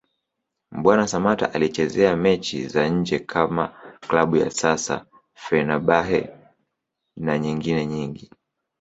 Mbwana Samata alichezea mechi za nje kama Klabu ya sasa Fenerbahce na nyengine nyingi